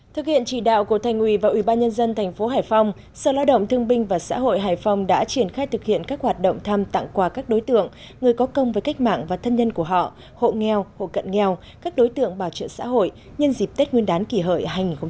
thực hiện chỉ đạo của thành ủy và ủy ban nhân dân thành phố hải phòng sở lao động thương binh và xã hội hải phòng đã triển khai thực hiện các hoạt động thăm tặng quà các đối tượng người có công với cách mạng và thân nhân của họ hộ nghèo hộ cận nghèo các đối tượng bảo trợ xã hội nhân dịp tết nguyên đán kỷ hợi hai nghìn một mươi chín